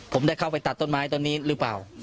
ผมได้เข้าไปตัดต้นไม้ต้นนี้หรือเปล่า